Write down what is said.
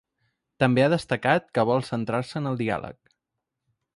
També ha destacat que vol centrar-se en el diàleg.